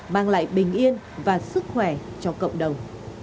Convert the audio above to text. mang lại bình yên và sức khỏe cho cộng đồng